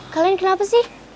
kalian kenapa sih